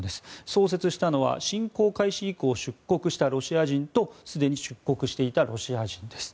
創設したのは侵攻開始以降出国したロシア人とすでに出国していたロシア人です。